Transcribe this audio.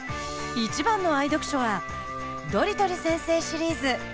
一番の愛読書は「ドリトル先生シリーズ」。